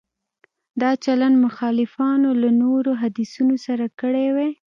دا چلند مخالفانو له نورو حدیثونو سره کړی وای.